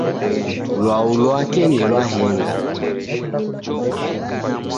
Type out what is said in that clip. Lwau lwake ni lwa henga.